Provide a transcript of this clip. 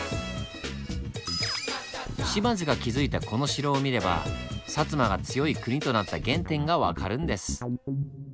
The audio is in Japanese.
島津が築いたこの城を見れば摩が強い国となった原点が分かるんです。